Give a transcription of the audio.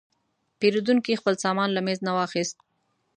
پیرودونکی خپل سامان له میز نه واخیست.